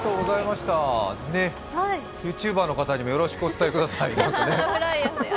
ＹｏｕＴｕｂｅｒの方にもよろしくお伝えくださいね。